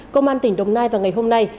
công an tỉnh đồng nai vào ngày hôm nay